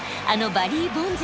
バリー・ボンズ！